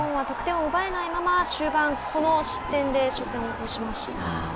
日本は得点を奪えないまま終盤、この失点で初戦を落としました。